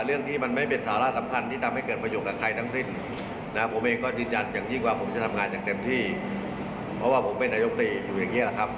เอาล่ะเดี๋ยวนอกเรื่องอีกเดี๋ยวเป็นเรื่องอีก